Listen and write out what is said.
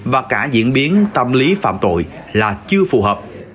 và cả diễn biến tâm lý phạm tội là chưa phù hợp